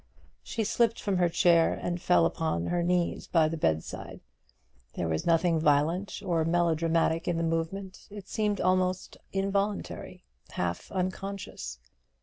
She slipped from her chair and fell upon her knees by the bedside. There was nothing violent or melodramatic in the movement; it seemed almost involuntary, half unconscious.